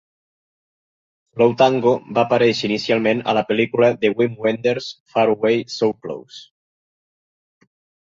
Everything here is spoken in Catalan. "Slow Tango" va aparèixer inicialment a la pel·lícula de Wim Wenders "Faraway, So Close!".